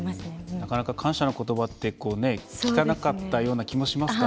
なかなか感謝のことばって聞かなかったような気もしますから。